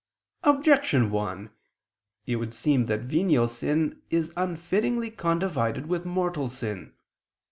Objection 1: It would seem that venial sin is unfittingly condivided with mortal sin.